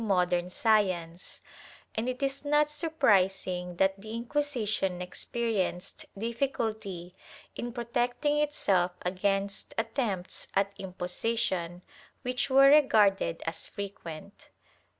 eO THE TRIAL [Book VI science, and it is not surprising that the Inquisition experienced difficulty in protecting itself against attempts at imposition, which were regarded as frequent.